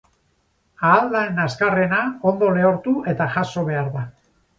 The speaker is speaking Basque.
Ahal den azkarrena ondo lehortu eta jaso behar da.